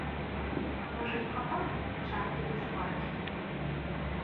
А можа ім хапае чаркі ды скваркі?